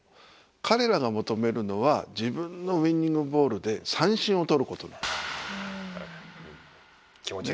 彼らが求めるのは自分のウイニングボールで三振を取ることなの。